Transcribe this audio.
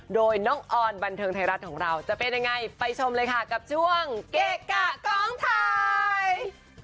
โดยน้องออนบันเทิงไทยรัฐของเราจะเป็นยังไงไปชมเลยค่ะกับช่วงเกะกะกองไทย